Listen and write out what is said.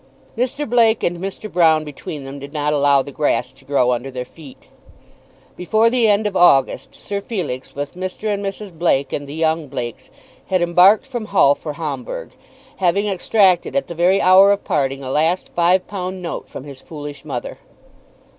Mr. Blake and Mr. Broune between them did not allow the grass to grow under their feet. Before the end of August Sir Felix, with Mr. and Mrs. Blake and the young Blakes, had embarked from Hull for Hamburgh, having extracted at the very hour of parting a last five pound note from his foolish mother.